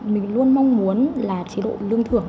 mình luôn mong muốn là chế độ lương thưởng